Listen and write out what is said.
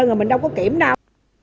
nhưng mà mình đâu có kiểm nào